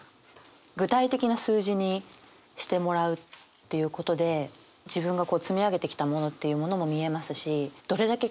具体的な数字にしてもらうということで自分がこう積み上げてきたものっていうものも見えますし。